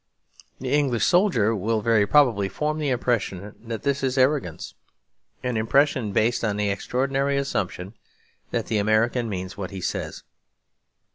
The English soldier will very probably form the impression that this is arrogance; an impression based on the extraordinary assumption that the American means what he says.